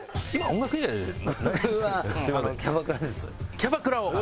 キャバクラを？